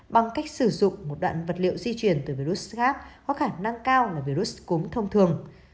bằng cách sử dụng một đoạn vật liệu di chuyển từ virus sars có khả năng cao là virus cúm thông thường